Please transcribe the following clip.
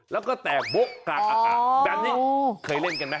แล้วก็แตกโบ๊ะกลางอากาศแบบนี้เคยเล่นกันไหม